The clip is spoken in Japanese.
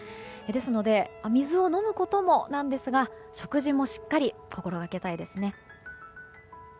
ですので水を飲むこともなんですが食事もしっかり心掛けたいですね。